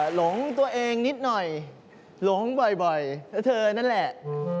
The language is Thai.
หลงตัวเองนิดหน่อยหลงบ่อยแล้วเธอนั่นแหละ